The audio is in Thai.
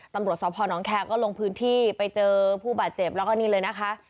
ตำรวจสพนแคร์ก็ลงพื้นที่ไปเจอผู้บาดเจ็บแล้วก็นี่เลยนะคะ